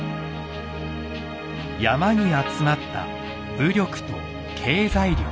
山に集まった武力と経済力。